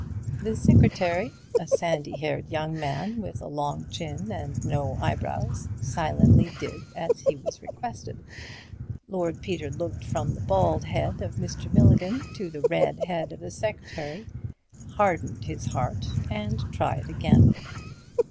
The secretary, a sandy haired young man with a long chin and no eyebrows, silently did as he was requested. Lord Peter looked from the bald head of Mr. Milligan to the red head of the secretary, hardened his heart and tried again.